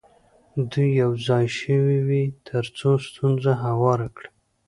دوی یو ځای شوي وي تر څو ستونزه هواره کړي.